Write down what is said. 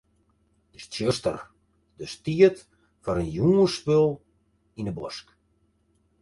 It is tsjuster, dus tiid foar in jûnsspul yn 'e bosk.